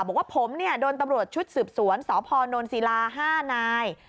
บอกว่าผมโดนตำรวจชุดสืบสวนสพนศิลา๕นาย